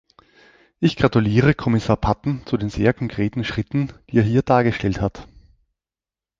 Ich gratuliere Kommissar Patten zu den sehr konkreten Schritten, die er hier dargestellt hat.